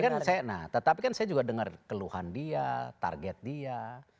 iya jadi kan saya nah tetapi kan saya juga dengar keluhan dia target dia